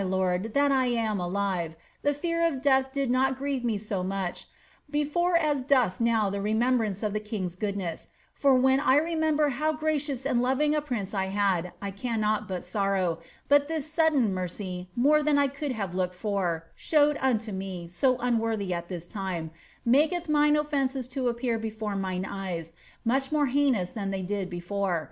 »rd, that I am alive — the fear of death did not grieve me so mud: before as doth now the remembmnce of the king's goodness — for when I lemember how gmcious and loving a prince I had, I cannot but sorrow: hut this frudden mercy, more than I could have looked for (showed unto me, » unworthy, at this time), maketh mine olTences to appear before mine eye* much more heinous ilian they did before.